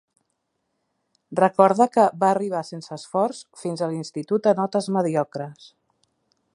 Recorda que "va arribar sense esforç" fins a l'institut a notes mediocres.